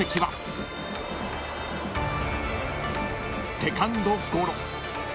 ［セカンドゴロ］